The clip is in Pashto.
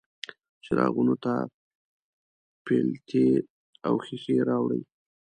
څراغونو ته پیلتې او ښیښې راوړي